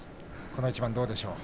この一番どうでしょう？